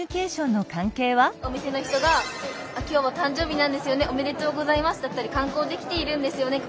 お店の人が「今日はたん生日なんですよね。おめでとうございます」だったり「観光で来ているんですよね。